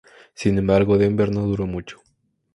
Sin embargo, Denver no duró mucho.